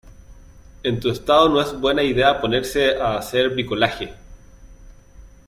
en tu estado no es buena idea ponerse a hacer bricolaje.